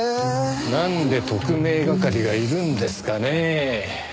なんで特命係がいるんですかねぇ？